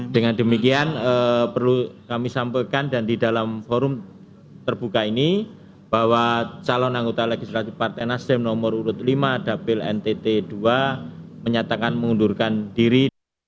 dengan demikian perlu kami sampaikan dan di dalam forum terbuka ini bahwa calon anggota legislatif partai nasdem nomor urut lima dapil ntt ii menyatakan mengundurkan diri